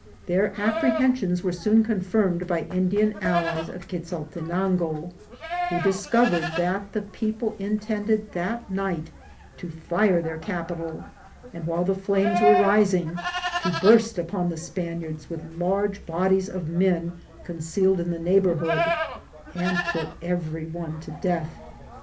Their apprehensions were soon confirmed by Indian allies of Quezaltenango, who discovered that the people intended that night to fire their capital, and while the flames were rising, to burst upon the Spaniards with large bodies of men concealed in the neighbourhood, and put every one to death.